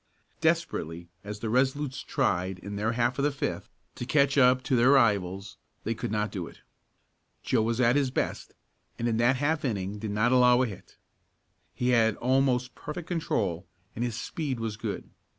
Desperately as the Resolutes tried in their half of the fifth to catch up to their rivals, they could not do it. Joe was at his best and in that half inning did not allow a hit. He had almost perfect control, and his speed was good.